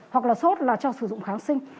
hoặc là sốt là cho sử dụng kháng sinh